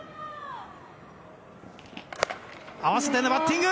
合わせてのバッティング。